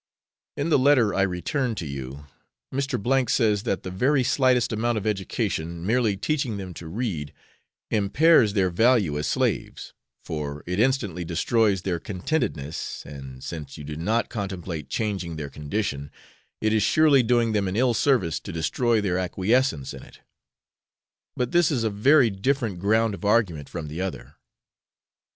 In the letter I return to you Mr. says that the very slightest amount of education, merely teaching them to read, 'impairs their value as slaves, for it instantly destroys their contentedness, and since you do not contemplate changing their condition, it is surely doing them an ill service to destroy their acquiescence in it;' but this is a very different ground of argument from the other.